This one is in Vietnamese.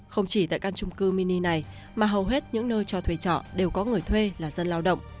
không chỉ tại căn trung cư mini này mà hầu hết những nơi cho thuê trọ đều có người thuê là dân lao động